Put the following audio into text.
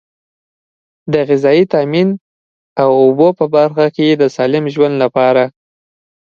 د غذایي تامین او اوبو په برخه کې د سالم ژوند لپاره.